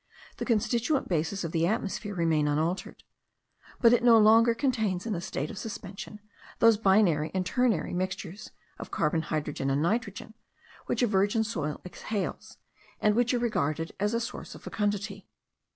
The constituent bases of the atmosphere remain unaltered; but it no longer contains, in a state of suspension, those binary and ternary mixtures of carbon, hydrogen, and nitrogen, which a virgin soil exhales, and which are regarded as a source of fecundity.